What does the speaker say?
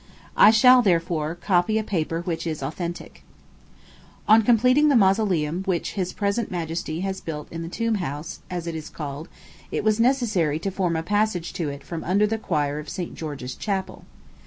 I shall, therefore, copy a paper which is authentic: "On completing the mausoleum which his present majesty has built in the Tomb House, as it is called, it was necessary to form a passage to it from under the choir of St George's Chapel.